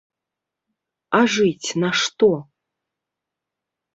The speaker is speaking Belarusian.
А жыць на што?!